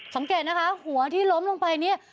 สังเกตนะคะหัวที่ล้มลงไปเนี่ย